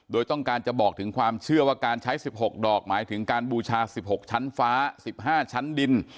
โดยต้องการจะบอกถึงความเชื่อว่าการใช้๑๖ดอกหมายถึงการบูชา๑๖ชั้นฟ้า๑๕ชั้นดิน